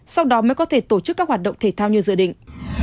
sau đó mới có thể tổ chức các hoạt động thể thao như dự định